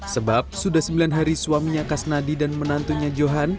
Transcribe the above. sebab sudah sembilan hari suaminya kasnadi dan menantunya johan